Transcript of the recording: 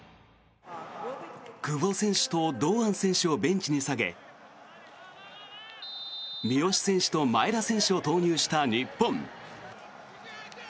久保選手と堂安選手をベンチに下げ三好選手と前田選手を投入した日本。